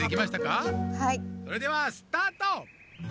それではスタート！